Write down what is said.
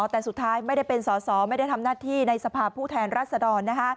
แต่สุดท้ายไม่ได้เป็นสอสอไม่ได้ทำหน้าที่ในสภาพผู้แทนรัศดร